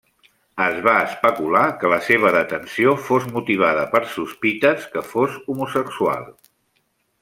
Es va especular que la seva detenció fos motivada per sospites que fos homosexual.